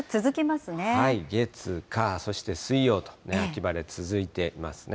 月、火、そして水曜と、秋晴れ続いていますね。